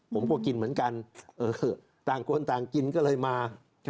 ผมก็กินเหมือนกันต่างคนต่างกินก็เลยมา